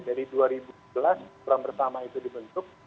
dari dua ribu sebelas orang bersama itu dibentuk